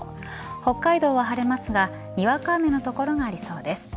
北海道は晴れますがにわか雨の所がありそうです。